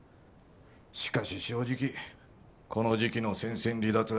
しかし正直この時期の戦線離脱は痛いよ。